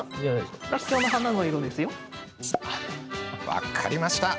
分かりました。